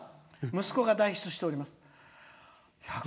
息子が代筆しております」。